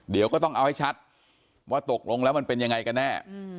เดี๋ยวก็ต้องเอาให้ชัดว่าตกลงแล้วมันเป็นยังไงกันแน่